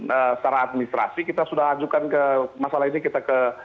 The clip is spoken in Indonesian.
yang diberikan polisi disendiani di tersebut yang neste infimenti yang lubang talked so